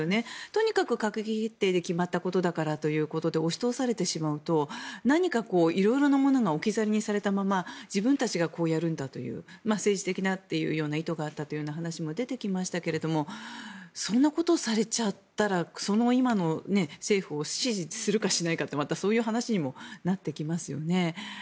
とにかく閣議決定で決まったことだからと押し通されてしまうと何か、いろいろなものが置き去りにされたまま自分たちがこうやるんだという政治的な意図があったという話も出てきましたけどそんなことをされちゃったら今の政府を支持するかしないかってまた、そういう話にもなってきますよね。